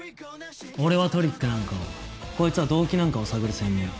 俺はトリックなんかをこいつは動機なんかを探る専門。